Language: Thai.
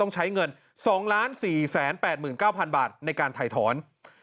ใช้เงิน๒๔๘๙๐๐บาทในการถ่ายถอน